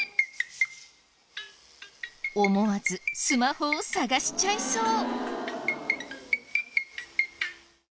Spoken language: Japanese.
思わずスマホを探しちゃいそう。